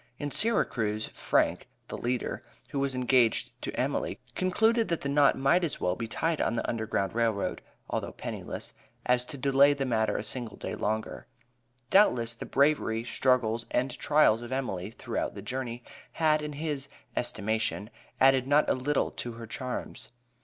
In Syracuse, Frank (the leader), who was engaged to Emily, concluded that the knot might as well be tied on the U.G.R.R., although penniless, as to delay the matter a single day longer. Doubtless, the bravery, struggles, and trials of Emily throughout the journey, had, in his estimation, added not a little to her charms.